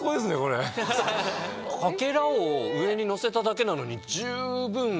かけらを上にのせただけなのに。